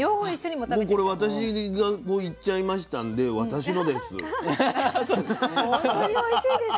もうこれ私がいっちゃいましたんで私のです。